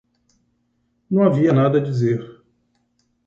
Não havia nada a dizer.